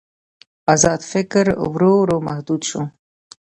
ازاد فکر ورو ورو محدود شو.